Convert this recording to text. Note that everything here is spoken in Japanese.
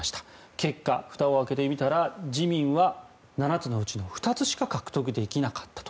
結果、ふたを開けてみたら自民は７つのうち２つしか獲得できなかったと。